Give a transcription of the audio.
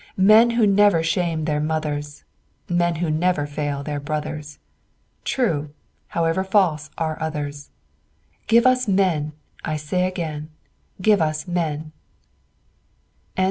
Men who never shame their mothers, Men who never fail their brothers, True, however false are others; Give us men, I say again, Give us men!"